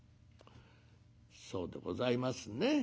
「そうでございますね。